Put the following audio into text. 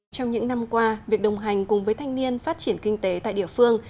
trong những năm qua việc đồng hành cùng với thanh niên phát triển kinh tế tại địa phương